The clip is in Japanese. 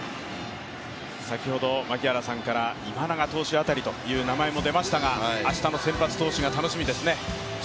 先ほど槙原さんから今永投手という話が出ましたが明日の先発投手が楽しみですね。